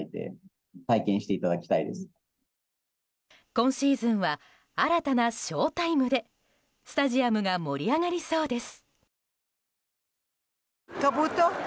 今シーズンは新たな将タイムでスタジアムが盛り上がりそうです。